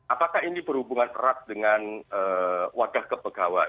apakah ini berhubungan erat dengan wajah kepegawat